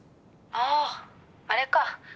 ああ、あれか。